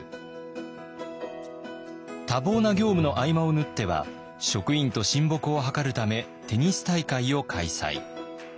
多忙な業務の合間を縫っては職員と親睦を図るためテニス大会を開催。